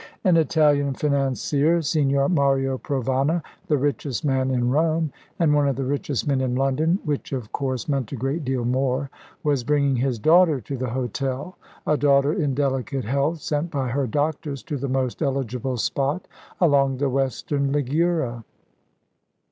An Italian financier, Signor Mario Provana, the richest man in Rome, and one of the richest men in London, which, of course, meant a great deal more, was bringing his daughter to the hotel, a daughter in delicate health, sent by her doctors to the most eligible spot along the Western Ligura.